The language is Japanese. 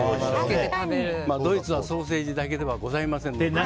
ドイツはソーセージだけではございませんので。